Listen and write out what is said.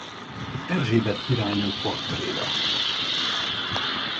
Erzsébet királynő portréja.